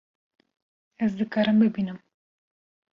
Ez dikarim bibînim